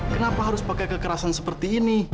kenapa harus pakai kekerasan seperti ini